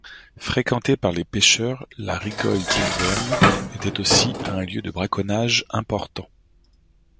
Fréquentée par les pêcheurs, la rigole d'Hilvern était aussi un lieu de braconnage important.